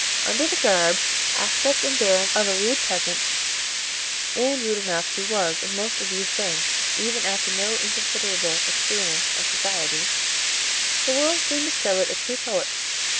Under the garb, aspect, and bearing of a rude peasant (and rude enough he was in most of these things, even after no inconsiderable experience of society), the world soon discovered a true poet.